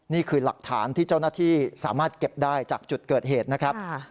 นี่คือหลักฐานที่เจ้าหน้าที่สามารถเก็บได้จากจุดเกิดเหตุนะครับ